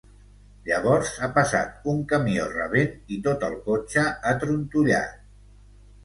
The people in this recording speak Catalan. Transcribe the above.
Llavors ha passat un camió rabent i tot el cotxe ha trontollat.